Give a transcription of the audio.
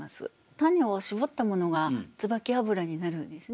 種を搾ったものが椿油になるんですね。